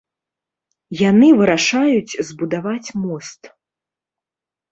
Яны вырашаюць збудаваць мост.